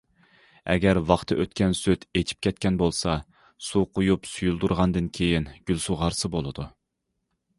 ئەگەر ۋاقتى ئۆتكەن سۈت ئېچىپ كەتكەن بولسا، سۇ قۇيۇپ سۇيۇلدۇرغاندىن كېيىن گۈل سۇغارساق بولىدۇ.